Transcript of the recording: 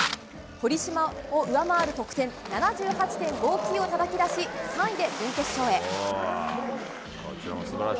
堀島を上回る得点７８．５９をたたき出し３位で準決勝へ。